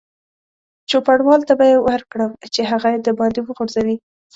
چوپړوال ته به یې ورکړم چې هغه یې دباندې وغورځوي.